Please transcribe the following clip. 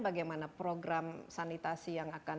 bagaimana program sanitasi yang akan